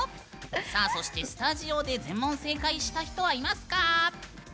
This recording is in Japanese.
そして、スタジオで全問正解した人はいますか？